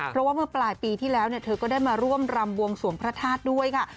เพราะว่าเมื่อปลายปีที่แล้วเธอก็ได้มาร่วมรำบวงสวงพระธาตุด้วยค่ะ